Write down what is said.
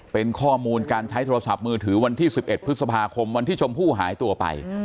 เป็นข้อมูลการใช้โทรศัพท์มือถือวันที่๑๑พฤษภาคมวันที่ชมพู่หายตัวไป